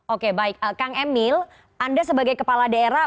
oke baik kang emil anda sebagai kepala daerah